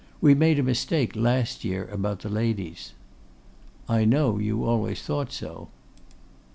We made a mistake last year about the ladies.' 'I know you always thought so.